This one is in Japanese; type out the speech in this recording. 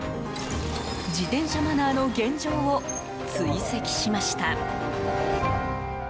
自転車マナーの現状を追跡しました。